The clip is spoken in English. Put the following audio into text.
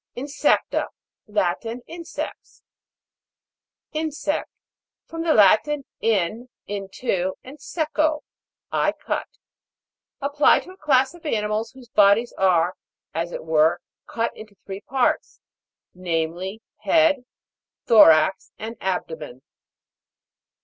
INSEC'TA. Latin. Insects. IN'SECT. From the Latin, in, into, and seco, I cut. Applied to a class of animals, whose bodies are, as it were, cut into three parts ; name ly, head, thorax, and abdomen.